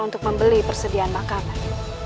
untuk membeli persediaan makanan